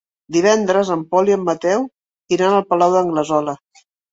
Divendres en Pol i en Mateu iran al Palau d'Anglesola.